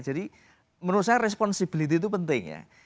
jadi menurut saya responsibiliti itu penting ya